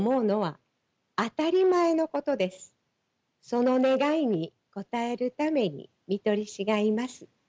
その願いにこたえるために看取り士がいます。